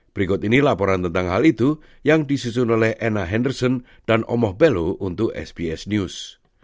berikut ini laporan tentang hal itu yang disusun oleh ena henderson dan omoh belo untuk sbs news